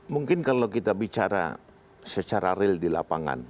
mungkin kalau kita bicara secara real di lapangan